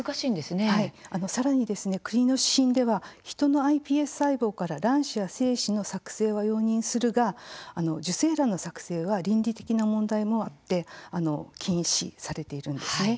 さらにですね、国の指針ではヒトのｉＰＳ細胞から卵子や精子の作製は容認するが受精卵の作製は倫理的な問題などもあって禁止されているんですね。